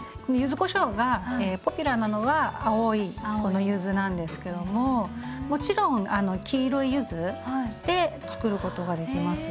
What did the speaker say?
柚子こしょうがポピュラーなのは青いこの柚子なんですけどももちろん黄色い柚子でつくることができます。